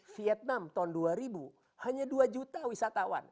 vietnam tahun dua ribu hanya dua juta wisatawan